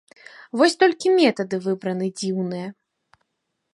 Вось толькі метады выбраны дзіўныя.